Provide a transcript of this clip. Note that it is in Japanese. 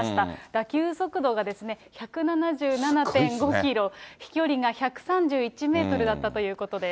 打球速度が１７７．５キロ、飛距離が１３１メートルだったということです。